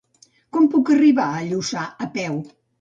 Com puc arribar a Lluçà a peu?